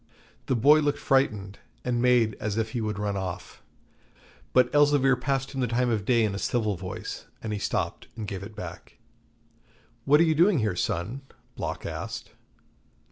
The boy looked frightened, and made as if he would run off, but Elzevir passed him the time of day in a civil voice, and he stopped and gave it back. 'What are you doing here, son?' Block asked.